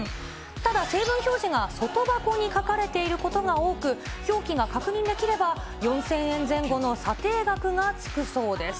ただ、成分表示が外箱に書かれていることが多く、表記が確認できれば、４０００円前後の査定額がつくそうです。